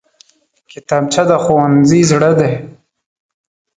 کتابچه د ښوونځي زړه دی